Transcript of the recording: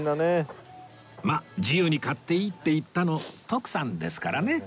まあ自由に買っていいって言ったの徳さんですからね